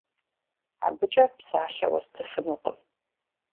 Абыкӏэ псалъэ уэстыфынукъым.